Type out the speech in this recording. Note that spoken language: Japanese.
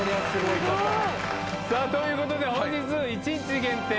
さあということで本日１日限定